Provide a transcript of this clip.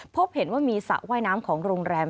พบเห็นว่ามีสระว่ายน้ำของโรงแรม